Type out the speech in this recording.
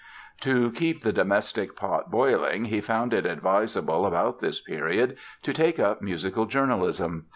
To keep the domestic pot boiling he found it advisable about this period to take up musical journalism.